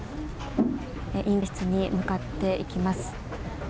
委員会室に向かっていきます。